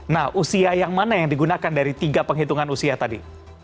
nah usia yang mana yang digunakan dari tiga penghitungan usia tadi